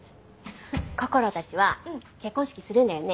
こころたちは結婚式するんだよね？